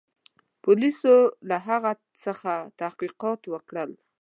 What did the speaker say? پولیسو له هغه څخه تحقیقات وکړل.